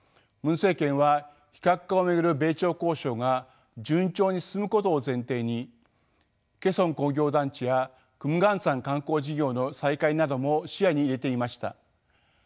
ムン政権は非核化を巡る米朝交渉が順調に進むことを前提に開城工業団地や金剛山観光事業の再開なども視野に入れていました。